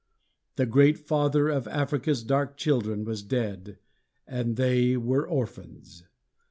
The great father of Africa's dark children was dead, and they were orphans.